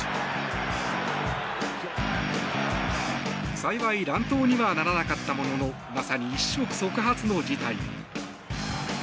幸い乱闘にはならなかったもののまさに一触即発の事態。